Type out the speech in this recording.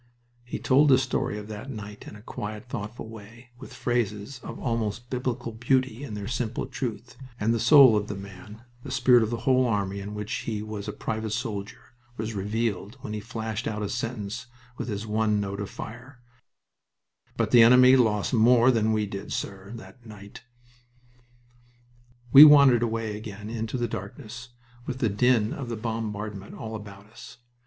He told the story of that night in a quiet, thoughtful way, with phrases of almost biblical beauty in their simple truth, and the soul of the man, the spirit of the whole army in which he was a private soldier, was revealed when he flashed out a sentence with his one note of fire, "But the enemy lost more than we did, sir, that night!" We wandered away again into the darkness, with the din of the bombardment all about us.